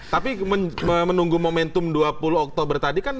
tapi menunggu momentum dua puluh oktober tadi kan